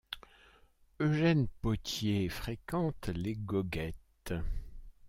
Eugène Pottier fréquente les goguettes.